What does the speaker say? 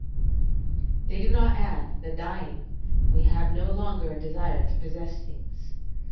["They do not add, that dying, we have no longer a desire to possess things."